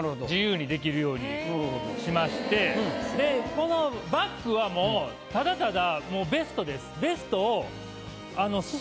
このバッグはもうただただもうベストです。